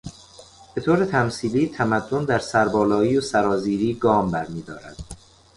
به طور تمثیلی، تمدن در سر بالایی و سرازیری گام بر میدارد.